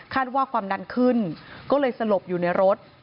ว่าความดันขึ้นก็เลยสลบอยู่ในรถ